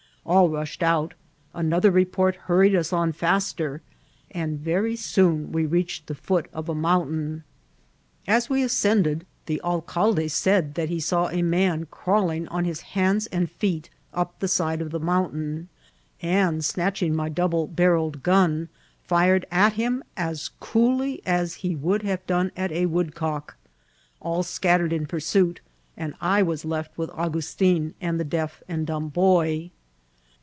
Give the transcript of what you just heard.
All rushed out ; another report hurried us on faster, and very soon we reached the foot of a mountain. As we ascended. Vol L— a a IM INCIDBlfTS OF TEATBIm the alcalde said tbat he saw a man orawlmg aa hm hands and feet up the side of the moimtain, and| snatching my double barrelled gun, fired at him as oooUy as he would have done at a woodcock ; all seat* tared in pursuit, and I was left with Augustin and the deaf and dumb boy.